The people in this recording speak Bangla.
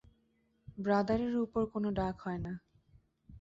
ব্রাদারের উপর কোনো ডাক হয় না।